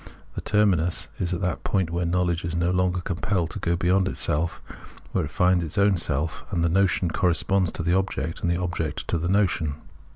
The ter minus is at that point where knowledge is no longer compelled to go beyond itself, where it finds its own self, and the notion corresponds to the object and the object to the notion.